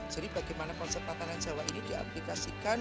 jadi bagaimana konsep tatanan jawa ini di aplikasikan